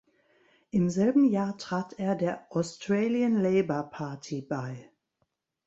Im selben Jahr trat er der Australian Labor Party bei.